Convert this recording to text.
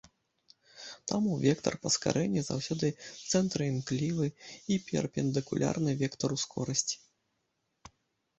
Таму вектар паскарэння заўсёды цэнтраімклівы і перпендыкулярны вектару скорасці.